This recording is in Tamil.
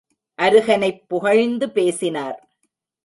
அருகனைப் புகழ்ந்து பேசினார்.